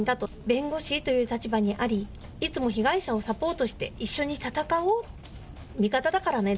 弁護士という立場にあり被害者をサポートして一緒に闘おう、味方だからね。